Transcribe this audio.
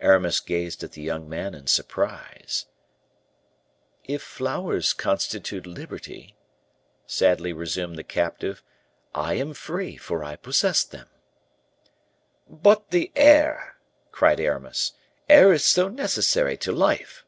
Aramis gazed at the young man in surprise. "If flowers constitute liberty," sadly resumed the captive, "I am free, for I possess them." "But the air!" cried Aramis; "air is so necessary to life!"